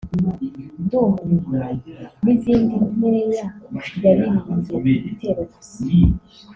’Ndumiwe’ n’izindi nkeya yaririmbye ibitero gusa